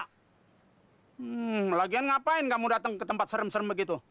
hmm lagian ngapain kamu datang ke tempat serem serem begitu